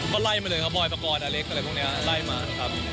ก็ไล่มาเลยเพราะบ่อยประกอบอีกตรงนี้ไล่มาครับ